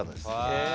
へえ。